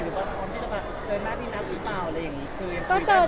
หรือว่าพี่จะมาเจอหน้าพี่นัทหรือเปล่า